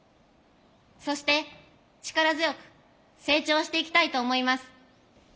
そして力強く成長していきたいと思います。